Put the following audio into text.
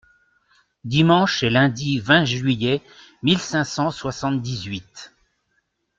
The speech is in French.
Dimanche et lundi vingt juillet mille cinq cent soixante-dix-huit .